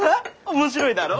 面白いだろ？